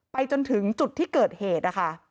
จนถึงจุดที่เกิดเหตุนะคะ